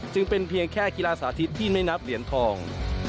จึงเป็นเพียงแค่กีฬาสาธิตที่ไม่นับเหรียญทอง